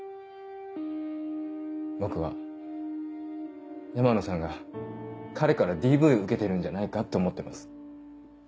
僕は山野さんが彼からＤＶを受けてるんじゃないかって思ってます。